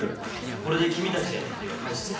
これで君たちへの借りは返したぞ。